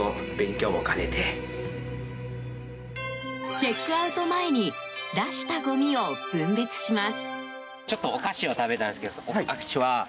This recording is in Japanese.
チェックアウト前に出したごみを分別します。